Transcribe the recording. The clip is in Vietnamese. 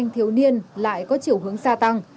thanh thiếu niên lại có chiều hướng xa tăng